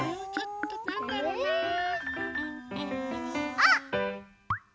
あっ！